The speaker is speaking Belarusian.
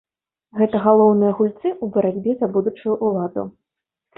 Гэта галоўныя гульцы ў барацьбе за будучую ўладу.